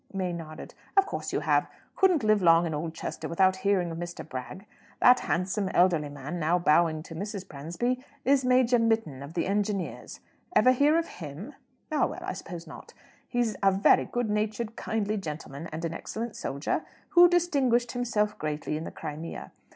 May nodded. "Of course you have. Couldn't live long in Oldchester without hearing of Mr. Bragg. That handsome, elderly man, now bowing to Mrs. Bransby, is Major Mitton, of the Engineers. Ever hear of him? Ah, well; I suppose not. He's a very good natured, kindly gentleman, and an excellent soldier, who distinguished himself greatly in the Crimea.